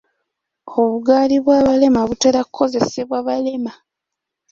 Obugaali bw'abalema butera kukozesebwa balema.